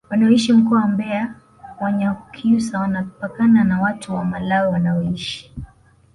wanaoishi mkoa wa mbeya wanyakyusa wanapakana na watu wa malawi wanaoishi